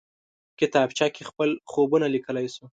کتابچه کې خپل خوبونه لیکلی شو